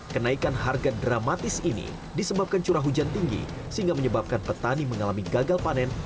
kenaikan harga dramatis ini disebabkan curah hujan tinggi sehingga menyebabkan petani mengalami gagal panen